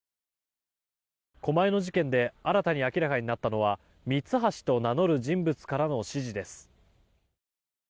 狛江の事件で新たに明らかになったのはミツハシと名乗る人物からの指示です。